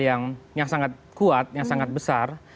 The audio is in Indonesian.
yang sangat kuat yang sangat besar